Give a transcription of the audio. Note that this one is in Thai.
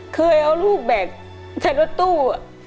เคยเอารูปแบกจากหัวตู้